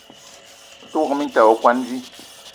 Me te wok minta ayi okwuan vi.